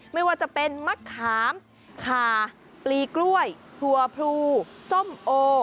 ไม่ว่าจะเป็นมะขามขาปลีกล้วยถั่วพลูส้มโอ